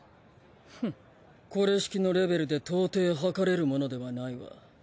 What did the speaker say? フンこれしきのレベルで到底測れるものではないわ。